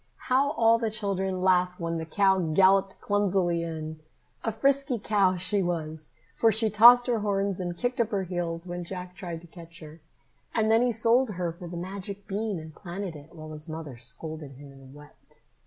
How all the children laughed when the cow galloped clumsily in! A frisky cow she was, for she tossed her horns and kicked up her heels when Jack tried to catch her. And then he sold her for the magic bean and planted it, while his mother scolded him and wept.